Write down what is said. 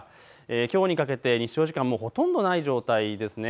きょうにかけて日照時間ほとんどない状態ですね。